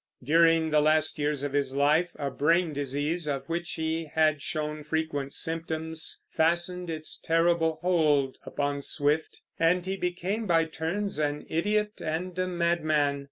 During the last years of his life a brain disease, of which he had shown frequent symptoms, fastened its terrible hold upon Swift, and he became by turns an idiot and a madman.